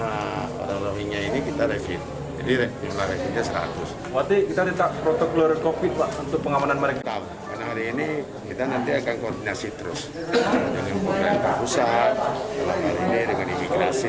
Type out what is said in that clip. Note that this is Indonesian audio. hari ini kita nanti akan koordinasi terus dengan program kapal rusak dengan imigrasi